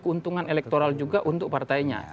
keuntungan elektoral juga untuk partainya